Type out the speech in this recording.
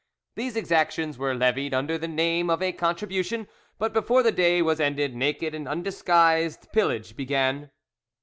These exactions were levied under the name of a contribution, but before the day was ended naked and undisguised pillage began.